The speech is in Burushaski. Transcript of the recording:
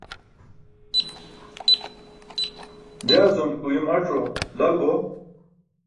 Jaa cum ke uyum ac̣o dal bo.